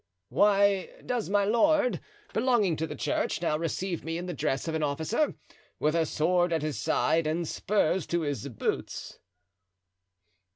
"Why does my lord, belonging to the church, now receive me in the dress of an officer, with a sword at his side and spurs to his boots?"